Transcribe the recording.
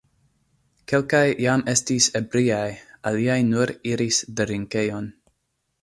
Kelkaj jam estis ebriaj, aliaj nur iris drinkejon.